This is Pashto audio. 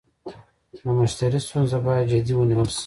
د مشتري ستونزه باید جدي ونیول شي.